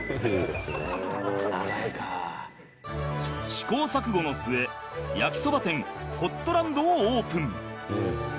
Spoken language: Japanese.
試行錯誤の末焼きそば店ホットランドをオープン。